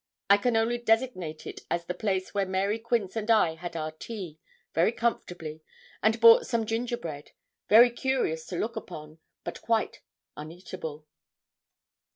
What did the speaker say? I can only designate it as the place where Mary Quince and I had our tea, very comfortably, and bought some gingerbread, very curious to look upon, but quite uneatable.